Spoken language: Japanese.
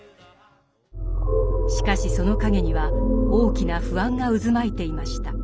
しかしその陰には大きな不安が渦巻いていました。